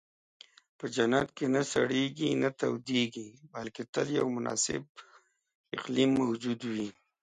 په جنت کې نه سړېږي، نه تودېږي، بلکې تل یو مناسب اقلیم موجود وي.